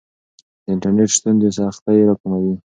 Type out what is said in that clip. د انټرنیټ شتون سختۍ راکموي.